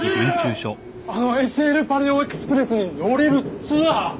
あのＳＬパレオエクスプレスに乗れるツアー！？